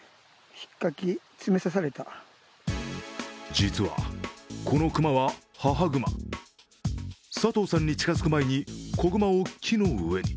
実はこの熊は母熊、佐藤さんに近づく前に子熊を木の上に。